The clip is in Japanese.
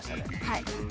はい。